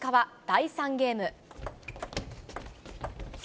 第３ゲーム。